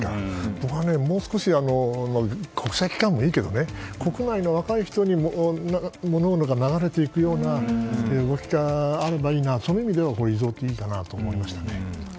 僕は、もう少し国際機関もいいけど国内の若い人にも物が流れていくような動きがあればいいなと。そういう意味では、遺贈っていいかなと思いましたね。